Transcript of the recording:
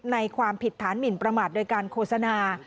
ความผิดฐานหมินประมาทโดยการโฆษณา